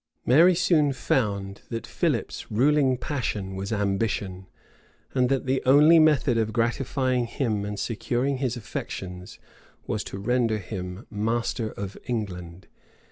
Mary soon found that Philip's ruling passion was ambition, and that the only method of gratifying him and securing his affections was to render him master of England.